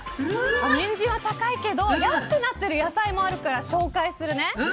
ニンジンは高いけど安くなってる野菜もあるから紹介するね。